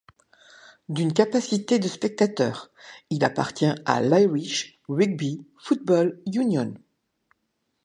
D'une capacité de spectateurs, il appartient à l'Irish Rugby Football Union.